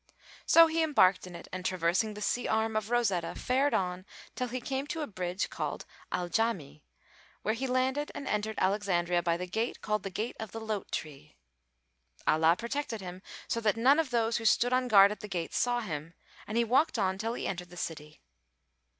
So he embarked in it and traversing the sea arm of Rosetta fared on till he came to a bridge called Al Jámí, where he landed and entered Alexandria by the gate called the Gate of the Lote tree. Allah protected him, so that none of those who stood on guard at the gate saw him, and he walked on till he entered the city.